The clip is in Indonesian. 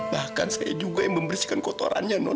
bahkan saya juga yang membersihkan kotorannya